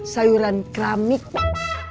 sayuran keramik pak